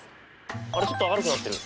あれちょっと明るくなってる。